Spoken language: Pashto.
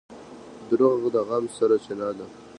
• دروغ د غم سرچینه ده.